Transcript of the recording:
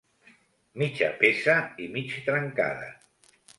Mitja peça i mig trencada.